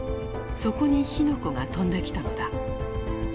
そこに火の粉が飛んできたのだ。